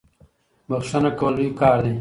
بخښنه کول لوی کار دی.